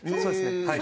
そうですね。